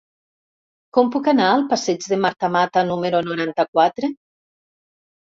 Com puc anar al passeig de Marta Mata número noranta-quatre?